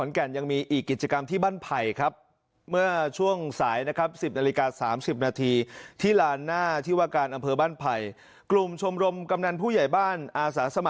จะพยายามกระจายไปให้เข้าสู่จังหวัดครับ